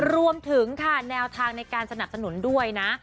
รวมถึงค่ะแนวทางในการสนับสนุนด้วยนะ